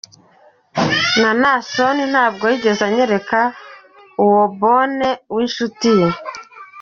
Na Naason ntabwo yigeze anyereka uwo Bonne w’inshuti ye.